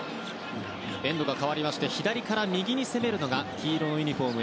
エンドが変わって左から右に攻めるのが黄色のユニホーム